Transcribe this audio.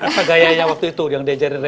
apa gayanya waktu itu yang diajarin